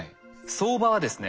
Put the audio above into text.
相場はですね